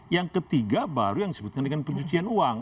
yang ketiga baru yang disebutkan dengan pencucian uang